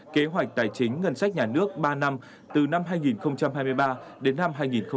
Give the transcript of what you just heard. kế hoạch tài chính ngân sách nhà nước ba năm từ năm hai nghìn hai mươi ba đến năm hai nghìn hai mươi năm